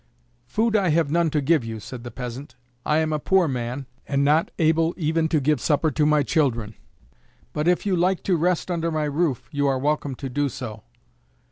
"Food I have none to give you," said the peasant. "I am a poor man and not able even to give supper to my children, but if you like to rest under my roof you are welcome to do so."